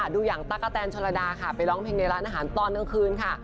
ดูอย่างตั๊กกะแตนชนระดาค่ะไปร้องเพลงในร้านอาหารตอนกลางคืนค่ะ